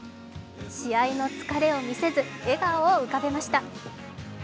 試合の疲れを見せず笑顔を浮かべました。